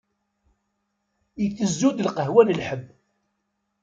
Itezzu-d lqahwa n lḥebb.